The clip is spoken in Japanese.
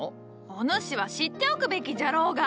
お主は知っておくべきじゃろうが！